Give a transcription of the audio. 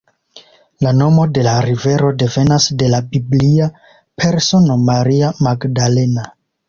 La nomo de la rivero devenas de la biblia persono Maria Magdalena.